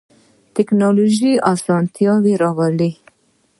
تکنالوژی اسانتیا راولی